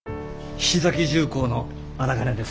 菱崎重工の荒金です。